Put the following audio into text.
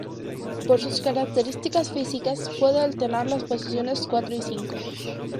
Por sus características físicas, puede alternar las posiciones cuatro y cinco.